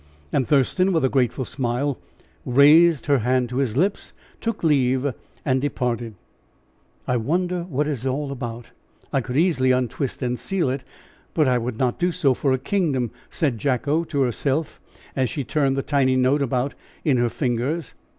And Thurston, with a grateful smile, raised her hand to his lips, took leave and departed. "I wonder what it is all about? I could easily untwist and seal it, but I would not do so for a kingdom!" said Jacko to herself as she turned the tiny note about in her fingers.